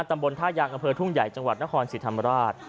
ตำบลท่ายางอำเภอทุ่งใหญ่จังหวัดนครศรีธรรมราช